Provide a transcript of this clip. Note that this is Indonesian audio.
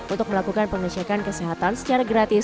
untuk melakukan pengecekan kesehatan secara gratis